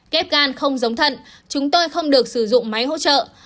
ghép gan không giống thận chúng tôi không được sử dụng máy hỗ trợ